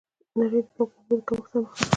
نړۍ د پاکو اوبو له کمښت سره مخ ده.